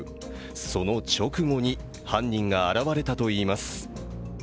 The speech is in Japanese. その直後に犯人が現れたといいます。